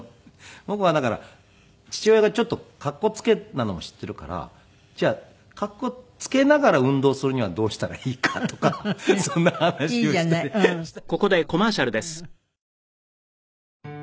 僕はだから父親がちょっとかっこつけなのも知っているからじゃあかっこつけながら運動するにはどうしたらいいかとかそんな話をしたりしていますね。